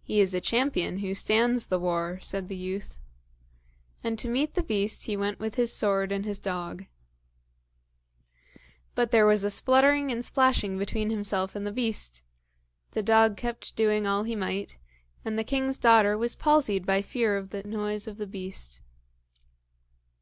"He is a champion who stands the war," said the youth. And to meet the beast he went with his sword and his dog. But there was a spluttering and a splashing between himself and the beast! The dog kept doing all he might, and the king's daughter was palsied by fear of the noise of the beast!